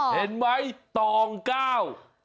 เห็นไหมตองเก้า